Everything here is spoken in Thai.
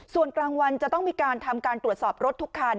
ส่วนกลางวันจะต้องมีการทำการตรวจสอบรถทุกคัน